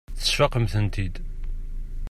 Tesfaqemt-ten-id.